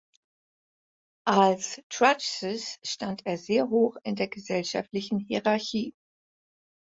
Als Truchsess stand er sehr hoch in der gesellschaftlichen Hierarchie.